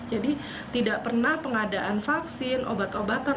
jadi tidak pernah pengadaan vaksin obat obatan